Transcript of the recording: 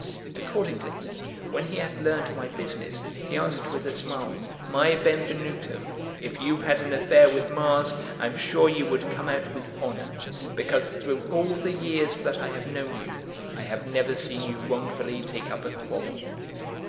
Accordingly, when he had learned my business, he answered with a smile: "My Benvenuto, if you had an affair with Mars, I am sure you would come out with honour, because through all the years that I have known you, I have never seen you wrongfully take up a quarrel."